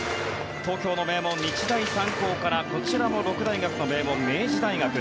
東京の名門、日大三高からこちらも六大学の名門明治大学